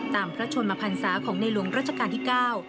ตามพระชนมพันษาของในหลวงราชกาลที่๙